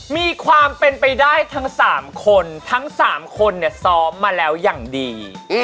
มีความเป็นไปได้ทั้ง๓คนทั้ง๓คนเนี่ยซ้อมมาแล้วอย่างดี